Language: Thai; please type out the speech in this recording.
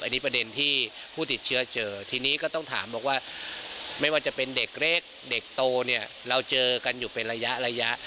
อันนี้ประเด็นที่ผู้ติดเชื้อเจอทีนี้ก็ต้องถามบอกว่าไม่ว่าจะเป็นเด็กเล็กเด็กโตเนี่ยเราเจอกันอยู่เป็นระยะระยะ